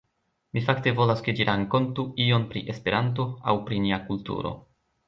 Mi fakte volas ke ĝi rankontu ion pri Esperanto aŭ pri nia kulturo.